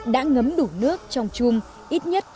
đã ngấm đủ nước trong chung ít nhất một chút